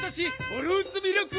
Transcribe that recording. フルーツミルク！